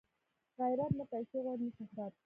غیرت نه پیسې غواړي نه شهرت